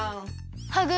ハグ